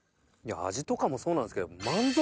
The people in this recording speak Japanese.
味とかもそうなんですけど。